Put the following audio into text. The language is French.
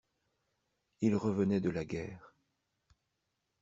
Il revenait de la guerre.